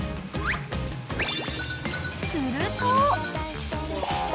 ［すると］